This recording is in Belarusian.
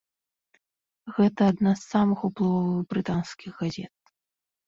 Гэта адна з самых уплывовых брытанскіх газет.